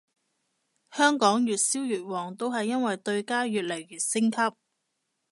香港越燒越旺都係因為對家越嚟越升級